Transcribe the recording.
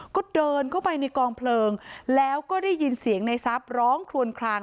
ก็เดินเข้าไปในกองเพลิงแล้วก็ได้ยินเสียงในทรัพย์ร้องคลวนคลาง